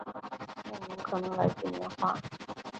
县名可能来自棉花。